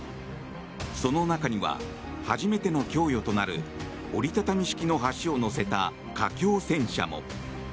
その中には初めての供与となる折り畳み式の橋を載せた架橋戦車も。